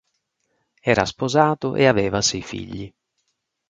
Era sposato e aveva sei figli.